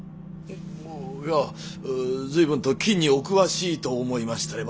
いや随分と金にお詳しいと思いましたれば。